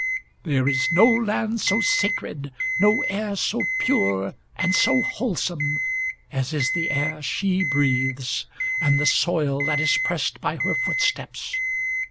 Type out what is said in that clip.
There is no land so sacred, no air so pure and so wholesome, As is the air she breathes, and the soil that is pressed by her footsteps.